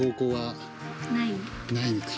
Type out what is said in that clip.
ないのか。